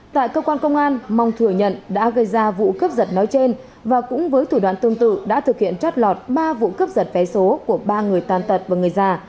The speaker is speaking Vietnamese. tại cơ quan công an mong thừa nhận đã gây ra vụ cướp giật nói trên và cũng với thủ đoạn tương tự đã thực hiện trót lọt ba vụ cướp giật vé số của ba người tàn tật và người già